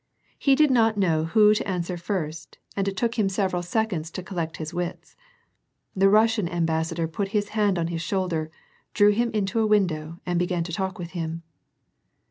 He did not know whom to answer first, and it took him several seconds to collect his wits. The Russian ambassador put his hand on his shoulder, drew him into a window, and began to talk with him.